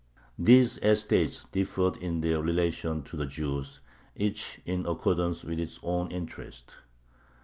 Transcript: These estates differed in their relation to the Jews, each in accordance with its own interests.